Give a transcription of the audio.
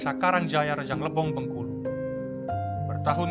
sekarang pemerintah membeli hutan di pulau sumatera ini